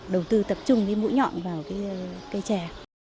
đầu tư tập trung với ngũ nhọn vào cây trẻ